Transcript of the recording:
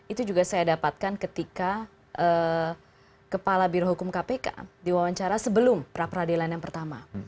itu juga saya dapatkan ketika kepala birohukum kpk diwawancara sebelum pra peradilan yang pertama